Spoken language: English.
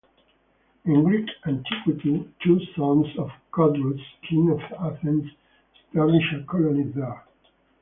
In Greek antiquity two sons of Codrus, King of Athens, established a colony there.